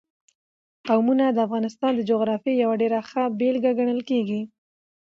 قومونه د افغانستان د جغرافیې یوه ډېره ښه بېلګه ګڼل کېږي.